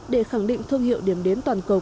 để khẳng định thương hiệu điểm đến toàn cầu